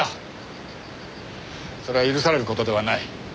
それは許される事ではない。